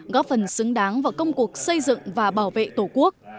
góp phần xứng đáng vào công cuộc xây dựng và bảo vệ tổ quốc